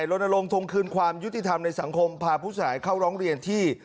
ลงทงคืนความยุติธรรมในสังคมพาผู้เสียหายเข้าร้องเรียนที่